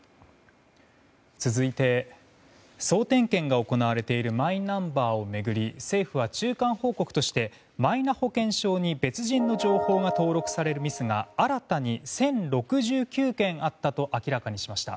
続いて総点検が行われているマイナンバーを巡り政府は中間報告としてマイナ保険証に別人の情報が登録されるミスが新たに１０６９件あったと明らかにしました。